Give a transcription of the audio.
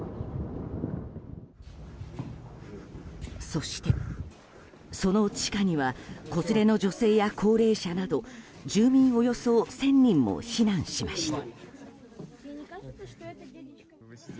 そして、その地下には子連れの女性や高齢者など住民およそ１０００人も避難しました。